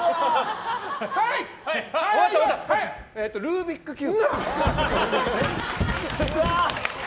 ルービックキューブ？